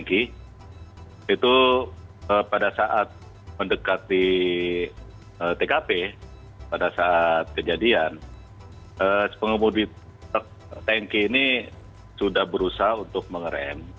itu pada saat mendekati tkp pada saat kejadian pengemudi truk tanki ini sudah berusaha untuk mengerem